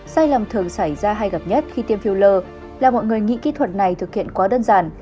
sai lầm thường xảy ra hay gặp nhất khi tiêm filler là mọi người nghĩ kỹ thuật này thực hiện quá đơn giản